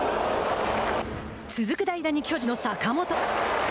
続く代打に巨人の坂本。